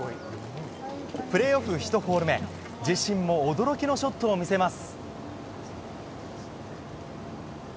プレーオフ１ホール目自身も驚きのショットを見せます。